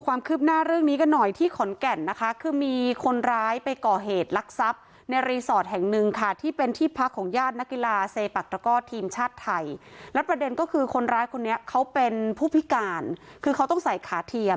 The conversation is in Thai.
ความคืบหน้าเรื่องนี้กันหน่อยที่ขอนแก่นนะคะคือมีคนร้ายไปก่อเหตุลักษัพในรีสอร์ทแห่งหนึ่งค่ะที่เป็นที่พักของญาตินักกีฬาเซปักตระก้อทีมชาติไทยแล้วประเด็นก็คือคนร้ายคนนี้เขาเป็นผู้พิการคือเขาต้องใส่ขาเทียม